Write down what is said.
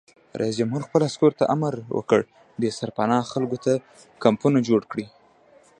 رئیس جمهور خپلو عسکرو ته امر وکړ؛ بې سرپناه خلکو ته کمپونه جوړ کړئ!